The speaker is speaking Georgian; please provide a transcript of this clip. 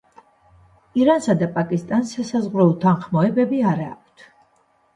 ირანსა და პაკისტანს სასაზღვრო უთანხმოებები არ აქვთ.